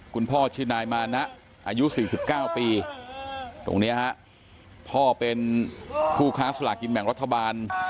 คุณพ่อชื่อนายมานะอายุ๔๙ปีตรงนี้ฮะพ่อเป็นผู้ค้าสลากกินแบ่งรัฐบาล